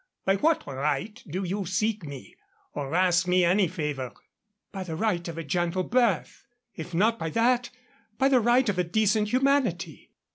By what right do you seek me or ask me any favor?" "By the right of a gentle birth. If not by that, by the right of a decent humanity."